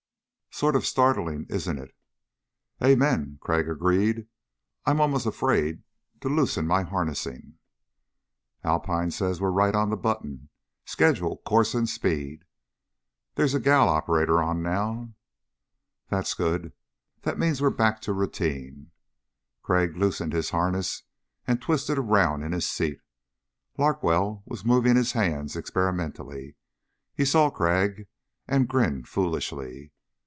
"Sort of startling, isn't it?" "Amen," Crag agreed. "I'm almost afraid to loosen my harnessing. "Alpine says we're right on the button schedule, course and speed. There's a gal operator on now." "That's good. That means we're back to routine." Crag loosened his harnesses and twisted around in his seat. Larkwell was moving his hands experimentally. He saw Crag and grinned foolishly.